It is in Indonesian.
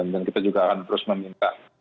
dan kita juga akan terus memimpin